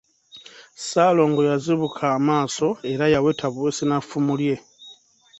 Ssalongo yazibuka amaaso era yaweta buwesi na ffumu lye.